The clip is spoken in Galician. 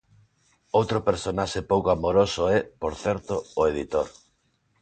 Outro personaxe pouco amoroso é, por certo, o editor.